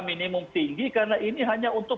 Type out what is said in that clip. minimum tinggi karena ini hanya untuk